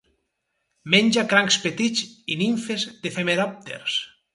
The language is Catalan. Menja crancs petits i nimfes d'efemeròpters.